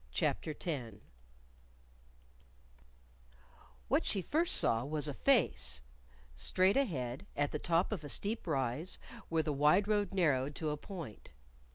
CHAPTER X What she first saw was a face! straight ahead, at the top of a steep rise, where the wide road narrowed to a point.